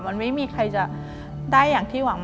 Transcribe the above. มันไม่มีใครจะได้อย่างที่หวัง